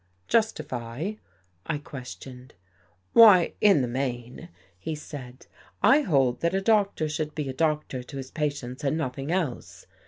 " Justify? " I questioned. " Why, in the main," he said, " I hold that a doctor should be a doctor to his patients and noth ing else.